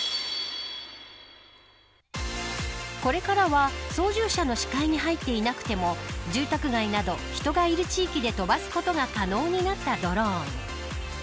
これからは操縦者の視界に入っていなくても住宅街など人がいる地域で飛ばすことが可能になったドローン。